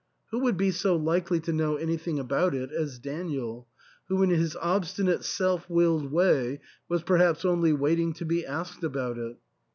Who would be so likely to know anything about it as Daniel, who in his obstinate self willed way was perhaps only wait ing to be asked about it